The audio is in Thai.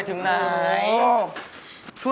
โอ้โหโอ้โห